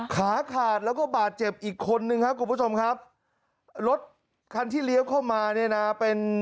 ครึ่งเลี้ยวก็จะเหลือจะโหคนนี้หรอก